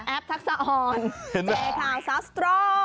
แอปทักษะออนเจเท่าซาสตรอง